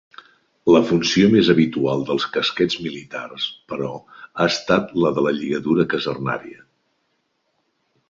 La funció més habitual dels casquets militars, però, ha estat la de lligadura casernària.